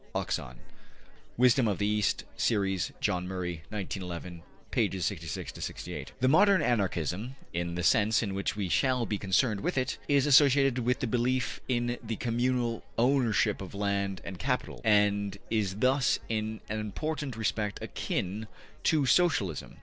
(Oxon.). Wisdom of the East Series, John Murray, 1911. Pages 66 68. The modern Anarchism, in the sense in which we shall be concerned with it, is associated with belief in the communal ownership of land and capital, and is thus in an important respect akin to Socialism.